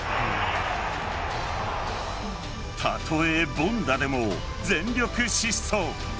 たとえ凡打でも全力疾走。